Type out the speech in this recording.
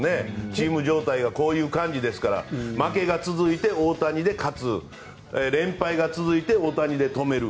チーム状態がこういう感じですから負けが続いて大谷で勝つ連敗が続いて大谷で止める。